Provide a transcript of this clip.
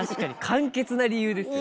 簡潔な理由ですよね。